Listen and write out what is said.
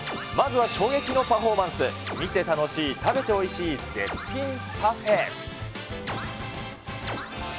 まずは衝撃のパフォーマンス、見て楽しい、食べておいしい、絶品パフェ。